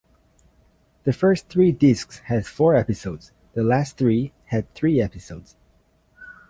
The first three discs had four episodes, the last three had three episodes.